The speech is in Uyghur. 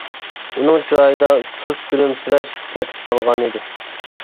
ئۇنىڭ چىرايىدا سۇس كۈلۈمسىرەش قېتىپ قالغانىدى.